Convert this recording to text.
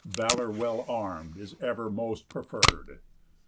_Valour well arm'd is ever most preferr'd.